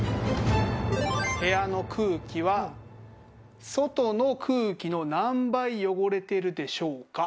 部屋の空気は外の空気の何倍汚れてるでしょうか？